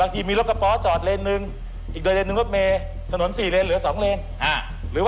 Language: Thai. ครบ